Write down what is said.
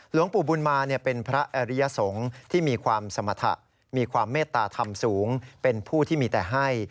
หลวงปู่บุญมาเป็นพระอริยสงฆ์ที่มีความสมรรถะมีความเมตตาธรรมสูงเป็นผู้ที่มีแต่ให้